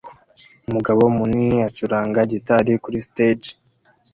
Umugabo munini acuranga gitari kuri stage